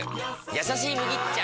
「やさしい麦茶」！